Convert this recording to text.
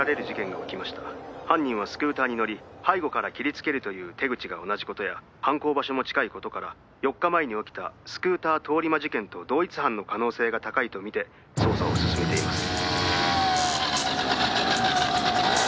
「犯人はスクーターに乗り背後から切りつけるという手口が同じ事や犯行場所も近い事から４日前に起きたスクーター通り魔事件と同一犯の可能性が高いとみて捜査を進めています」